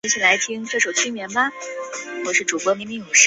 学为所用与学为‘装饰’不一样